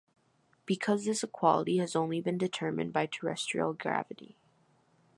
Because this equality has only been determined by terrestrial gravity.